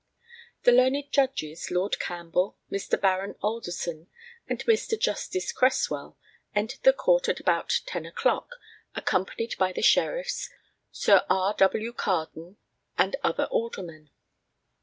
The learned Judges, Lord Campbell, Mr. Baron Alderson, and Mr. Justice Cresswell, entered the court at about ten o'clock, accompanied by the Sheriffs, Sir R. W. Carden, and other Aldermen.